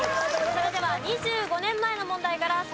それでは２５年前の問題から再開です。